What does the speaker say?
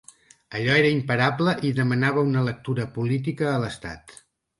Allò era imparable i demanava una lectura política a l’estat.